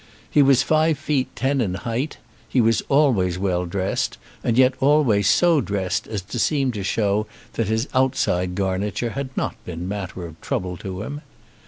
He was five feet ten in height. He was always well dressed, and yet always so dressed as to seem to show that his outside garniture had not been matter of trouble to him.